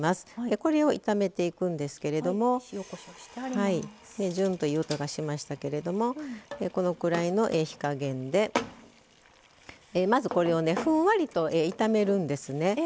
これを炒めていくんですけどジューッという音がしましたけどこのくらいの火加減でこれをふんわりと炒めるんですね。